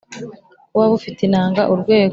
kuba bufite inanga, urwego,